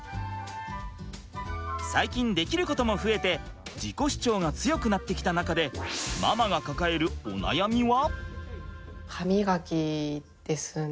最近できることも増えて自己主張が強くなってきた中でママが抱えるお悩みは？